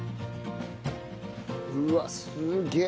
うわっすげえ。